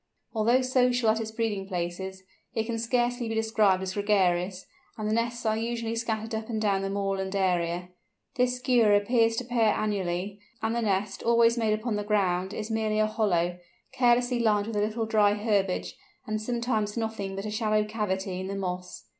Although social at its breeding places, it can scarcely be described as gregarious, and the nests are usually scattered up and down the moorland area. This Skua appears to pair annually, and the nest, always made upon the ground, is merely a hollow, carelessly lined with a little dry herbage, and sometimes nothing but a shallow cavity in the moss.